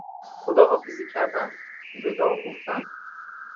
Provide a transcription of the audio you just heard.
خداحافظی کردن، وداع گفتن